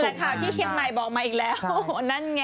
ข่าวที่เชียงใหม่บอกมาอีกแล้วนั่นไง